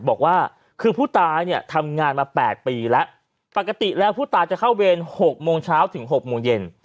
บอกว่าคือผู้ตายเนี่ยทำงานมา๘ปีแล้วปกติแล้วผู้ตายจะเข้าเวร๖โมงเช้าถึง๖โมงเย็น